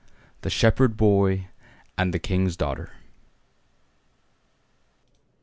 9 THE SHEPHERD BOY AND THE KING'S DAUGHTER.